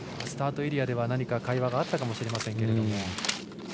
スタートエリアでは何か会話があったかもしれませんが。